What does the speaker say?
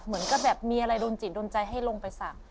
เหมือนกับแบบมีอะไรโดนจิตโดนใจให้ลงไปสัก